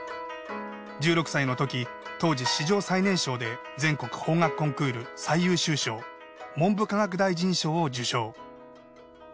１６歳のとき当時史上最年少で全国邦楽コンクール最優秀賞・文部科学大臣賞を受賞。